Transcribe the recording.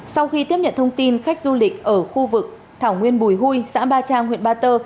sau khi tiếp nhận thông tin khách du lịch ở khu vực thảo nguyên bùi huy xã ba trang huyện ba tơ